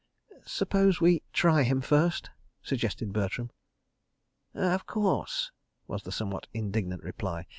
." "Suppose we try him first," suggested Bertram. "Of course!" was the somewhat indignant reply.